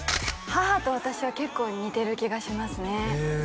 母と私は結構似てる気がしますね